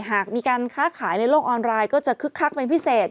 หากมีการค้าขายในโลกออนไลน์ก็จะคึกคักเป็นพิเศษ